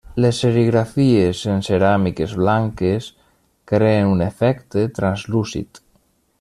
Les serigrafies en ceràmiques blanques creen un efecte translúcid.